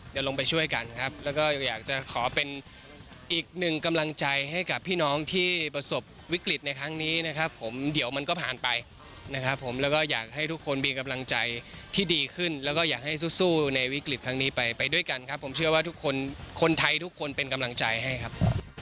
เดี๋ยวลงไปช่วยกันครับแล้วก็อยากจะขอเป็นอีกหนึ่งกำลังใจให้กับพี่น้องที่ประสบวิกฤตในครั้งนี้นะครับผมเดี๋ยวมันก็ผ่านไปนะครับผมแล้วก็อยากให้ทุกคนมีกำลังใจที่ดีขึ้นแล้วก็อยากให้สู้ในวิกฤตครั้งนี้ไปไปด้วยกันครับผมเชื่อว่าทุกคนคนไทยทุกคนเป็นกำลังใจให้ครับ